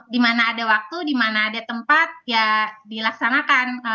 dimana ada waktu dimana ada tempat ya dilaksanakan